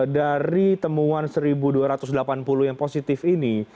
dari temuan satu dua ratus delapan puluh yang positif ini